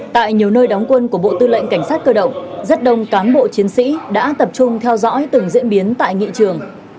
tại nhiều nơi đóng quân của bộ tư lệnh cảnh sát cơ động rất đông cán bộ chiến sĩ đã tập trung theo dõi từng diễn biến tại nghị trường